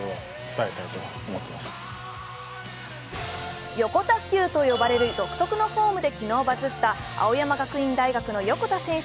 たっきゅうと呼ばれる独特のフォームで昨日バズった青山学院大学の横田選手。